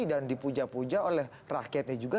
dan dipuja puja oleh rakyatnya juga